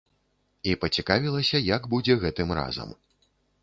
І пацікавілася, як будзе гэтым разам.